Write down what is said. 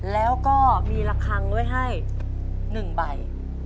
แล้วก็มีระคังไว้ให้๑ใบ